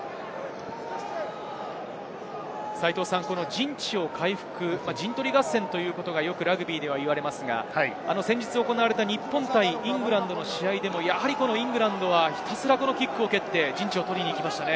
陣地を回復、陣取り合戦ということがよくラグビーでは言われますが、先日行われた、日本対イングランドの試合でも、イングランドはひたすらキックを受けて陣地を取りに行きましたね。